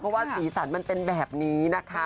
เพราะว่าสีสันมันเป็นแบบนี้นะคะ